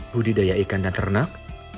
budidaya ikan dan ternak